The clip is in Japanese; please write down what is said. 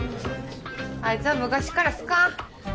あいつは昔っから好かん。